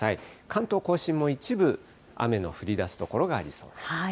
関東甲信も一部、雨の降りだす所がありそうです。